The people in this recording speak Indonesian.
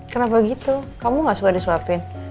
kenapa gitu kamu gak suka disuapin